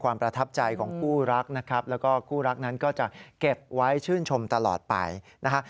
เก็บไว้ชื่นชมตลอดไปนะครับ